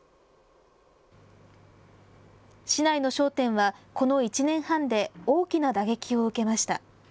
市内の商店は、この１年半で大きな打撃を受けました。